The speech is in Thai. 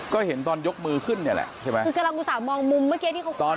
ก็เห็นตอนยกมือขึ้นเนี่ยแหละใช่ไหมคือกำลังอุตส่าหมองมุมเมื่อกี้ที่เขา